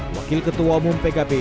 wakil ketua umum pkb